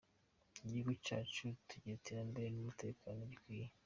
Igihugu cyacu tugihe iterambere n’umutekano gikwiye.